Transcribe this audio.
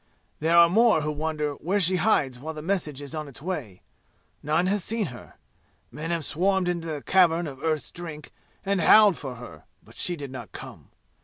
There are more who wonder where she hides while the message is on its way. None has seen her. Men have swarmed into the Cavern of Earth's Drink and howled for her, but she did not come.